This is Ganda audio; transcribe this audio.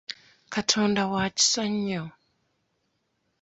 Katonda wa kisa nnyo.